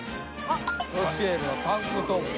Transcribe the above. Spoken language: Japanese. ロシエルはタンクトップ。